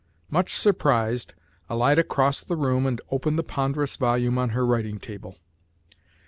Much surprised, Alida crossed the room and opened the ponderous volume on her writing table.